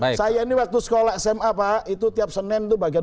nah baiklah saya ini waktu sekolah sma pak itu tiap senin itu bagaimana